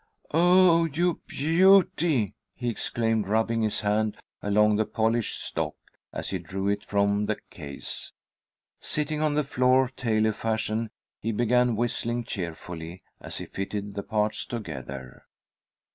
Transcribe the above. "Oh, you beauty!" he exclaimed, rubbing his hand along the polished stock as he drew it from the case. Sitting on the floor tailor fashion, he began whistling cheerfully as he fitted the parts together.